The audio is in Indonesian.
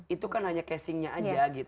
itu kan hanya casingnya aja gitu